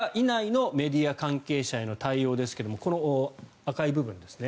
入国後１４日以内のメディア関係者への対応ですがこの赤い部分ですね。